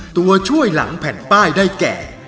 ตัวช่วยหลังแผ่นป้ายได้แก่